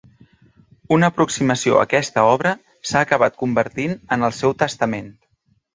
Una aproximació a aquesta obra s’ha acabat convertint en el seu testament.